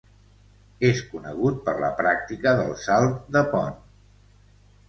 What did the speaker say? És conegut per la pràctica del salt de pont.